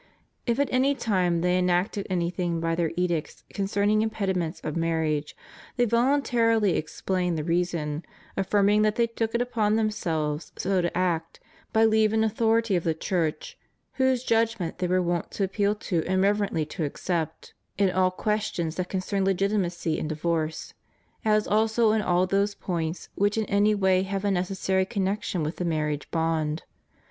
If at any time they enacted anything by their edicts concerning im pediments of marriage, they voluntarily explained the reason, affirming that they took it upon themselves so to act, by leave and authority of the Church, whose judg ment they were wont to appeal to and reverently to accept in all questions that concerned legitimacy and divorce; as also in all those points which in any way have a neces sary connection with the marriage bond.